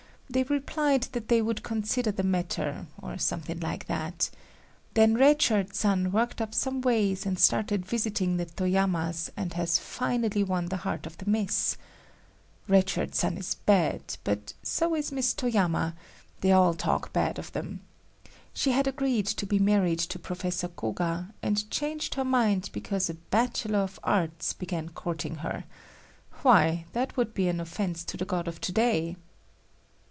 They replied that they would consider the matter or something like that. Then Red Shirt san worked up some ways and started visiting the Toyamas and has finally won the heart of the Miss. Red Shirt san is bad, but so is Miss Toyama; they all talk bad of them. She had agreed to be married to Professor Koga and changed her mind because a Bachelor of Arts began courting her,—why, that would be an offense to the God of To day."